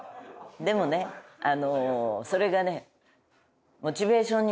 でもねそれがね